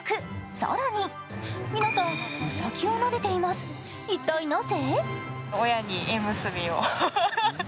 更に、皆さん、うさぎをなでています、一体なぜ？